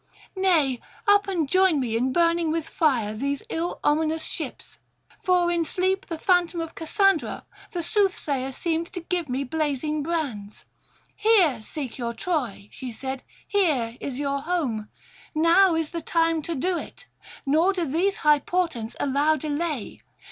Nay, up and join me in burning with fire these ill ominous ships. For in sleep the phantom of Cassandra the soothsayer seemed to give me blazing brands: Here seek your Troy, she said; here is your home. Now is the time to do it; nor do these high portents allow delay.